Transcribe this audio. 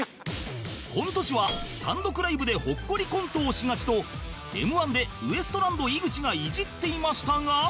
コント師は単独ライブでほっこりコントをしがちと Ｍ−１ でウエストランド井口がいじっていましたが